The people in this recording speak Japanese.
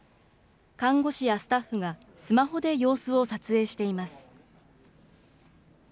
看護師やスタッフがスマホで様子を撮影しています。